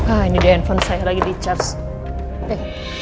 ah ini dia handphone saya lagi di charge